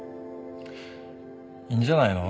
いいんじゃないの？